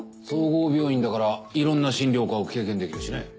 総合病院だからいろんな診療科を経験できるしね。